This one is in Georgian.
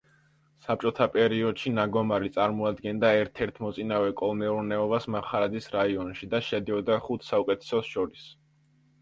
საბჭოთა პერიოდში ნაგომარი წარმოადგენდა ერთ-ერთ მოწინავე კოლმეურნეობას მახარაძის რაიონში და შედიოდა ხუთ საუკეთესოს შორის.